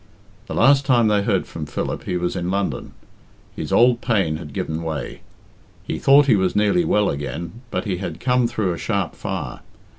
The last time they heard from Philip he was in London. His old pain had given way; he thought he was nearly well again, but he had come through a sharp fire.